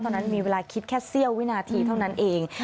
ตอนนั้นมีเวลาคิดแค่เสี้ยววินาทีเท่านั้นเอง